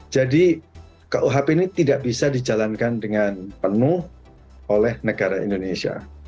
jadi kuhp ini tidak bisa dijalankan dengan penuh oleh negara indonesia